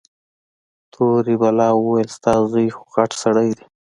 تورې بلا وويل ستا زوى خوغټ سړى دى.